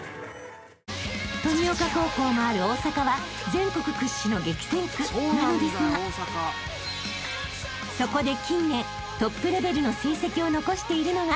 ［登美丘高校もある大阪は全国屈指の激戦区なのですがそこで近年トップレベルの成績を残しているのが久米田高校］